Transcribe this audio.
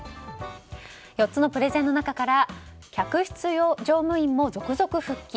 ４つのプレゼンの中から客室乗務員も続々復帰。